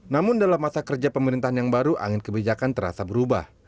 namun dalam masa kerja pemerintahan yang baru angin kebijakan terasa berubah